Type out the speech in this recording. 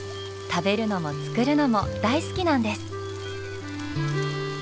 食べるのも作るのも大好きなんです。